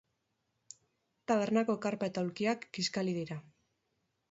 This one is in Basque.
Tabernako karpa eta aulkiak kiskali dira.